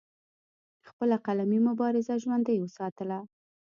خپله قلمي مبارزه ژوندۍ اوساتله